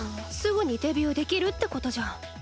すぐにデビューできるってことじゃん。